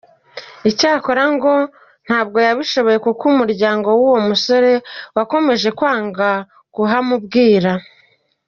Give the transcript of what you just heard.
Icyakora ngo ntabwo yabishoboye kuko umuryango w’uwo musore wakomeje kwanga kuhamubwira.